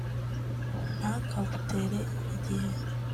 ntakagutere igihe…